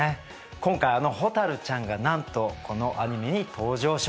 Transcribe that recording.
今回あの蛍ちゃんがなんとこのアニメに登場します。